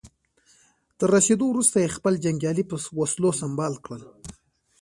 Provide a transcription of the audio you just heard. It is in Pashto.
تر رسېدو وروسته يې خپل جنګيالي په وسلو سمبال کړل.